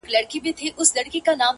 چي که مړ سوم زه به څرنګه یادېږم؟،